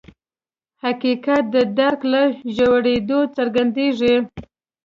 حقیقت د درک له ژورېدو څرګندېږي.